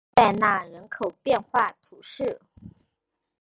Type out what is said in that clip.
弗代纳人口变化图示